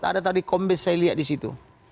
ada tadi kombes saya lihat di situ